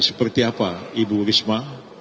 seperti apa ibu risma